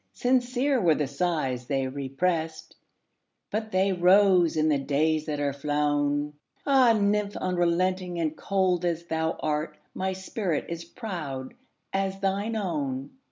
Sincere were the sighs they represt, But they rose in the days that are flown! Ah, nymph! unrelenting and cold as thou art, My spirit is proud as thine own!